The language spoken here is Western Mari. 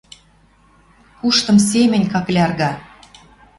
Куштым семӹнь каклярга!..